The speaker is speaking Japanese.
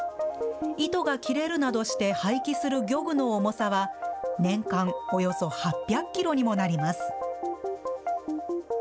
糸が切れるなどして廃棄する漁具の重さは、年間およそ８００キロにもなります。